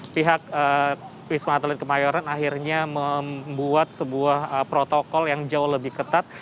pihak wisma atlet kemayoran akhirnya membuat sebuah protokol yang jauh lebih ketat